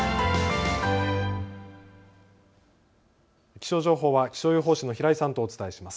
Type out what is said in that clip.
気象の情報は気象予報士の平井さんとお伝えします。